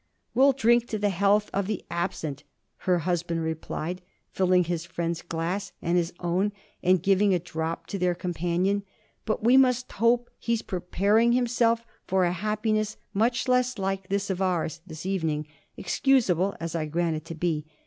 'We'll drink to the health of the absent,' her husband replied, filling his friend's glass and his own and giving a drop to their companion; 'but we must hope he's preparing himself for a happiness much less like this of ours this evening excusable as I grant it to be!